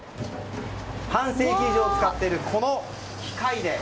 半世紀以上使っているこの機械で。